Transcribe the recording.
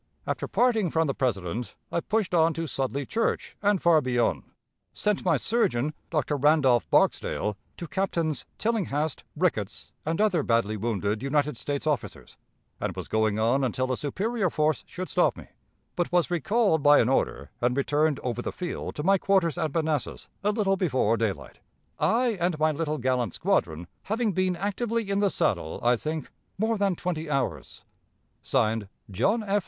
After parting from the President, I pushed on to Sudley Church, and far beyond. Sent my surgeon, Dr. Randolph Barksdale, to Captains Tillinghast, Ricketts, and other badly wounded United States officers, and was going on until a superior force should stop me, but was recalled by an order and returned over the field to my quarters at Manassas a little before daylight I and my little gallant squadron having been actively in the saddle, I think, more than twenty hours.... (Signed) "John F.